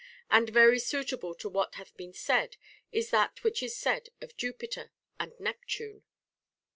And very suitable to what hath been said is that which is said of Jupiter and Neptune :—* II.